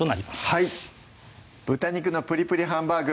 はい「豚肉のぷりぷりハンバーグ」